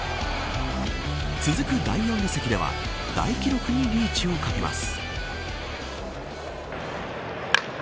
続く第４打席では大記録にリーチをかけます。